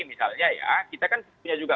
misalnya ya kita kan punya juga